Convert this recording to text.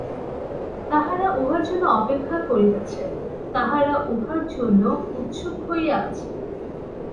তাহারা উহার জন্য অপেক্ষা করিতেছে, তাহারা উহার জন্য উৎসুক হইয়া আছে।